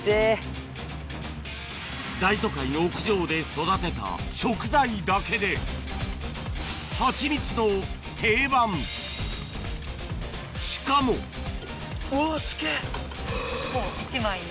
大都会の屋上で育てた食材だけでハチミツの定番しかももう一枚の。